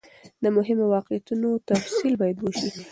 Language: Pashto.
د مهمو واقعیتونو تفصیل باید وسي.